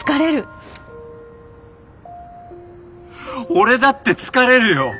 俺だって疲れるよ！